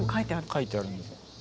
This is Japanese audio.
書いてあるんですよ。